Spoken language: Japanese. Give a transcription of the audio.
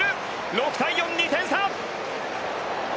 ６対４、２点差。